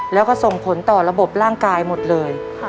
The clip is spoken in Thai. แล้วก็ส่งผลต่อระบบร่างกายหมดเลย